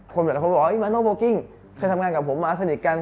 คนบอกว่ามันน่าโปรกิ้งเคยทำงานกับผมมาสนิทกัน